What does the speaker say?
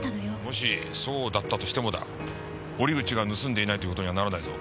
もしそうだったとしてもだ折口が盗んでいないという事にはならないぞ。